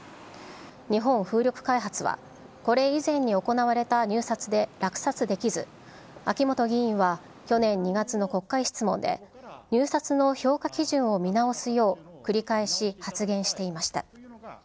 日本風力開発は、これ以前に行われた入札で落札できず、秋本議員は、去年２月の国会質問で、入札の評価基準を見直すよう、繰り返し発言していました。